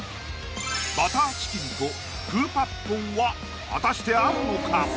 バターチキンとプーパッポンは果たして合うのか？